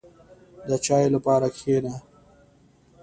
• د چای لپاره کښېنه.